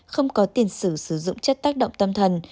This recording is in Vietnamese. không có tiền sử dụng chất tác động tâm thần